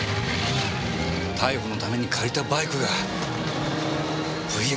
逮捕のために借りたバイクがＶＸ４００だ！